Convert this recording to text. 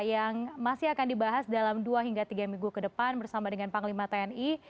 yang masih akan dibahas dalam dua hingga tiga minggu ke depan bersama dengan panglima tni